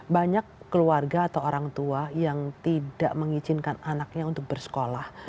banyak keluarga atau orang tua yang tidak mengizinkan anaknya untuk bersekolah